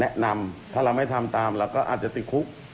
แนะนำถ้าเราไม่ทำตามเราก็อาจจะติดคุก